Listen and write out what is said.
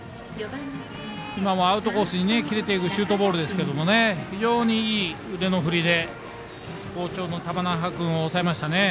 今もアウトコースに切れていくシュートボールですけど非常にいい腕の振りで好調の玉那覇君を抑えましたね。